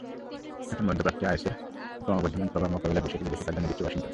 এখন মধ্যপ্রাচ্যে আইএসের ক্রমবর্ধমান প্রভাব মোকাবিলার বিষয়টিকেই বেশি প্রাধান্য দিচ্ছে ওয়াশিংটন।